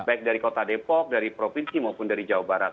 baik dari kota depok dari provinsi maupun dari jawa barat